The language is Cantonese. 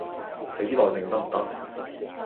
畀啲耐性得唔得？